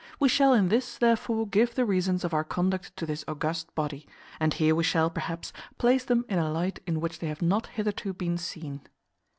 We shall in this, therefore, give the reasons of our conduct to this august body; and here we shall, perhaps, place them in a light in which they have not hitherto been seen.